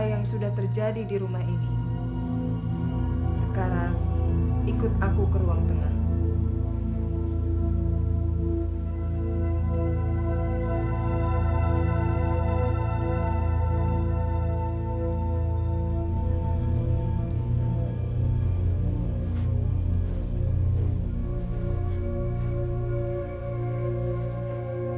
mingat dari rumah atau kehilangan arah